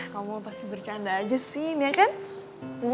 kalo mau pasti bercanda aja sih ini ya kan